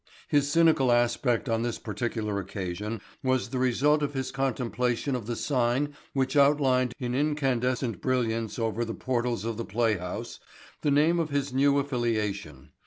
His cynical aspect on this particular occasion was the result of his contemplation of the sign which outlined in incandescent brilliance over the portals of the playhouse the name of his new affiliation.